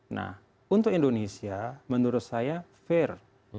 nah untuk indonesia menurut saya fair